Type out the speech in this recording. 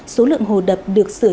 số lượng hồ đập được sửa